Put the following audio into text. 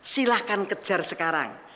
silahkan kejar sekarang